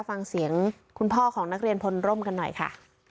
ฟังเสียงคุณพ่อของนักเรียนพลร่มกันหน่อยค่ะ